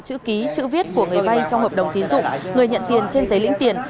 chữ ký chữ viết của người vay trong hợp đồng tín dụng người nhận tiền trên giấy lĩnh tiền